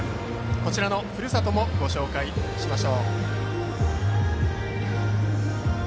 こちらのふるさともご紹介します。